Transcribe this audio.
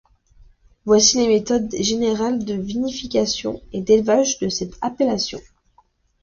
Voici les méthodes générales de vinification et d'élevage de cette appellation.